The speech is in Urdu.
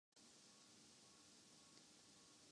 بیچارہ تیندوا چھپ چھپا کر زندگی گزار رہا تھا